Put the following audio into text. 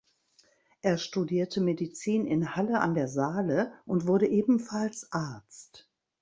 Er studierte Medizin in Halle an der Saale und wurde ebenfalls Arzt.